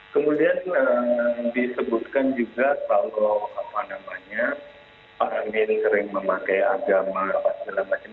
kemudian disebutkan juga kalau apa namanya pak amin sering memakai agama apa segala macam